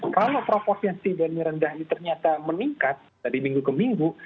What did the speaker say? kalau proporsi yang cpv nya rendah ini ternyata meningkat dari minggu ke minggu